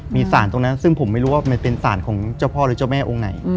มีสารตรงนั้นซึ่งผมไม่รู้ว่ามันเป็นสารของเจ้าพ่อหรือเจ้าแม่องค์ไหน